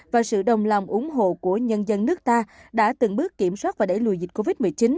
và sự đồng lòng ủng hộ của nhân dân nước ta đã từng bước kiểm soát và đẩy lùi dịch covid một mươi chín